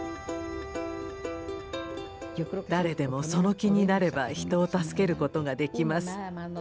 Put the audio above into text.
誰でもその気になれば人を助けることができます。